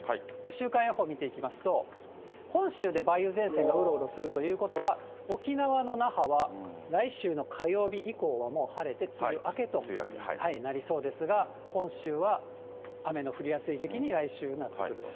週間予報見ていきますと、本州で梅雨前線がうろうろするということは、沖縄の那覇は来週の火曜日以降はもう晴れて、梅雨明けとなりそうですが、本州は雨の降りやすい時期に来週なってくると。